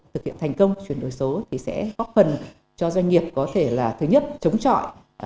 thực hiện thành công chuyển đổi số thì sẽ góp phần cho doanh nghiệp có thể là thứ nhất chống trọi